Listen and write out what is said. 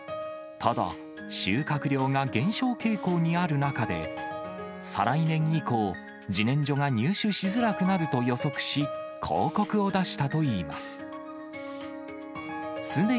ただ、収穫量が減少傾向にある中で、再来年以降、じねんじょが入手しづらくなると予測し、広告を出したといいます。